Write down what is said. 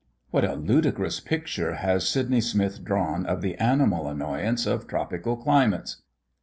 What a ludicrous picture has Sydney Smith drawn of the animal annoyance of tropical climates.